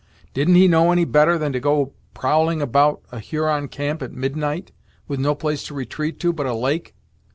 Didn't he know any better than to go prowling about a Huron camp at midnight, with no place to retreat to but a lake?